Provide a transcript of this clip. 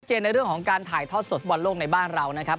ในเรื่องของการถ่ายทอดสดฟุตบอลโลกในบ้านเรานะครับ